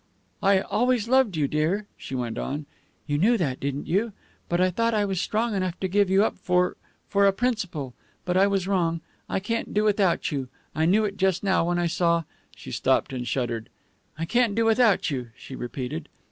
"I always loved you, dear," she went on. "You knew that, didn't you? But I thought I was strong enough to give you up for for a principle but I was wrong. I can't do without you I knew it just now when I saw " She stopped, and shuddered. "I can't do without you," she repented.